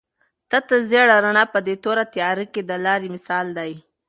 تته زېړه رڼا په دې توره تیاره کې د لارې مشال دی.